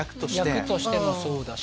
役としてもそうだし。